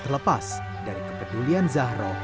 terlepas dari kepedulian zahro